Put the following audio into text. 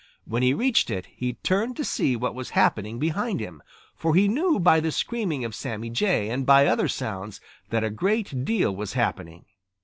When he reached it, he turned to see what was happening behind him, for he knew by the screaming of Sammy Jay and by other sounds that a great deal was happening.